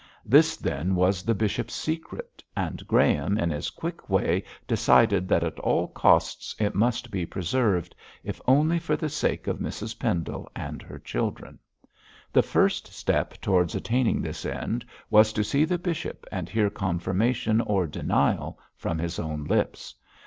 This, then, was the bishop's secret, and Graham in his quick way decided that at all costs it must be preserved, if only for the sake of Mrs Pendle and her children. The first step towards attaining this end was to see the bishop and hear confirmation or denial from his own lips.